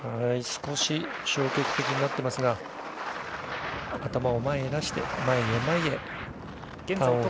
少し消極的になっていますが頭を前へ出して、前へ前へ。